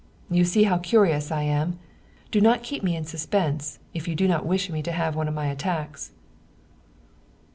" You see how curious I am. Do not keep me in suspense, if you do not wish me to have one of my attacks."